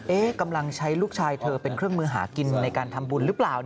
กำลังใช้ลูกชายเธอเป็นเครื่องมือหากินในการทำบุญหรือเปล่า